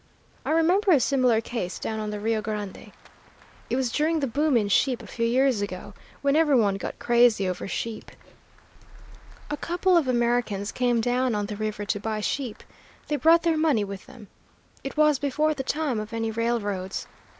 I remember a similar case down on the Rio Grande. It was during the boom in sheep a few years ago, when every one got crazy over sheep. "A couple of Americans came down on the river to buy sheep. They brought their money with them. It was before the time of any railroads.